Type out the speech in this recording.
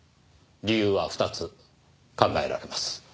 理由は二つ考えられます。